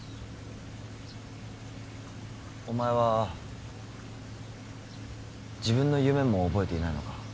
お前は自分の夢も覚えていないのか？